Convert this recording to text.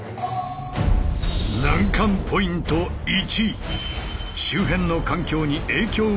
難関ポイント１。